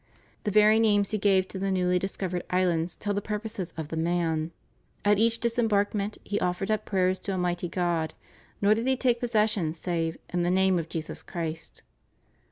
The very names he gave to the newly discovered islands tell the purposes of the man. At each disembarkation he offered up prayers to Almighty God, nor did he take possession save "in the Name of Jesus Christ."